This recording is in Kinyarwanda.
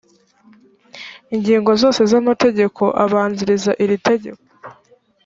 ingingo zose z’amategeko abanziriza iri tegeko